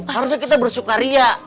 harusnya kita bersukaria